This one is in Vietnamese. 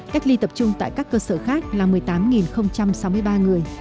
cách ly tập trung tại các cơ sở khác là một mươi tám sáu mươi ba người